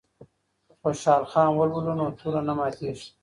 که خوشحال خان ولولو نو توره نه ماتیږي.